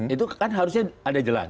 itu kan harusnya ada jalan